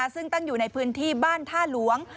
ซึ่งตั้งอยู่ในพื้นที่บ้านท่าหลวง